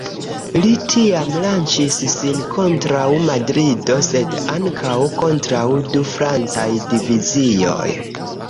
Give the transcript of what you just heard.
Li tiam lanĉis sin kontraŭ Madrido sed ankaŭ kontraŭ du francaj divizioj.